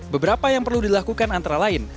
beberapa yang perlu dilakukan antara lain